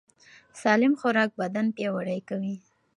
سالم خوراک بدن پیاوړی کوي.